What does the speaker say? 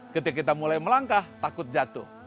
ketika kita mulai melangkah takut jatuh